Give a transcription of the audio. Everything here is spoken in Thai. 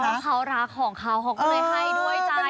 เพราะเขารักของเขาเขาก็เลยให้ด้วยใจ